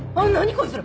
こいつら。